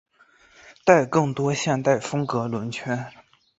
带更多现代风格轮圈。